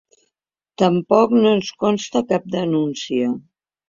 Tampoc no ens consta cap denúncia.